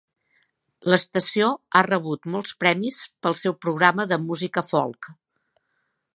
L'estació ha rebut molts premis pel seu programa de música folk.